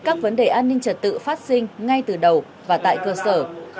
các vấn đề an ninh trật tự phát sinh ngay từ đầu và tại cơ sở